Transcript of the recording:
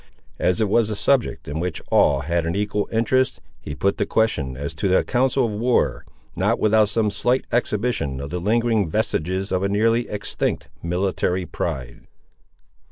As it was a subject in which all had an equal interest, he put the question as to a council of war, and not without some slight exhibition of the lingering vestiges of a nearly extinct military pride.